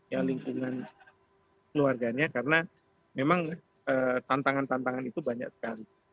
ya lingkungan keluarganya karena memang tantangan tantangan itu banyak sekali